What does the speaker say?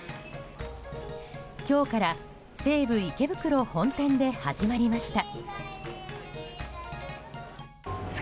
今日から西武池袋本店で始まりました。